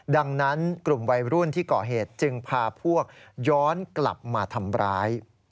ดังนั้นกลุ่มวัยรุ่นที่ก่อเหตุจึงพาพวกย้อนกลับมาทำร้าย